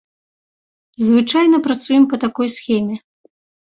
Звычайна працуем па такой схеме.